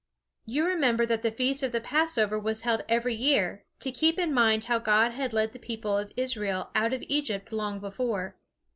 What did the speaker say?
You remember that the feast of the Passover was held every year, to keep in mind how God had led the people of Israel out of Egypt long before.